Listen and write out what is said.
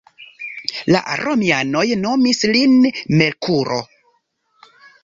La romianoj nomis lin Merkuro.